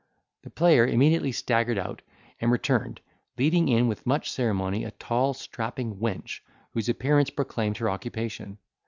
The player immediately staggered out, and returned, leading in with much ceremony, a tall strapping wench, whose appearance proclaimed her occupation.